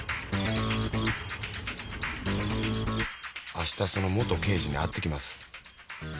あしたその元刑事に会ってきます。